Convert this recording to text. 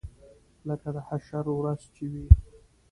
لکه د حشر ورځ چې وي.